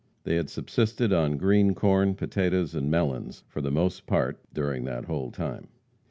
They had subsisted on green corn, potatoes and melons for the most part during that whole time.